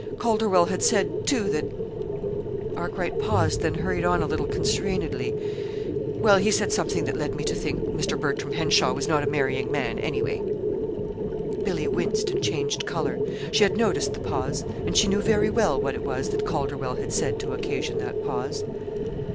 Calderwell had said, too, that " Arkwright paused, then hurried on a little constrainedly "well, he said something that led me to think Mr. Bertram Henshaw was not a marrying man, anyway." Billy winced and changed color. She had noticed the pause, and she knew very well what it was that Calderwell had said to occasion that pause.